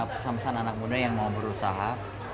pesan pesan anak muda yang mau berusaha